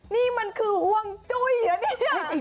นี่มันคือห่วงจุ้ยเหรอเนี่ย